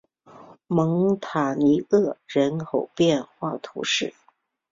蒙塔尼厄人口变化图示